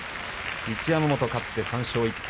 一山本、勝って３勝１敗。